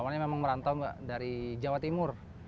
awalnya memang merantau mbak dari jawa timur